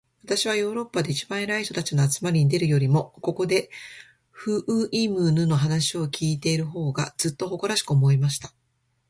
私はヨーロッパで一番偉い人たちの集まりに出るよりも、ここで、フウイヌムの話を開いている方が、ずっと誇らしく思えました。